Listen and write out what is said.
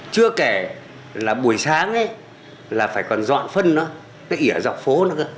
chưa kể là buổi sáng là phải còn dọn phân nó nó ỉa dọc phố nữa